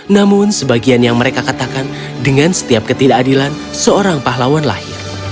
namun sebagian yang mereka katakan dengan setiap ketidakadilan seorang pahlawan lahir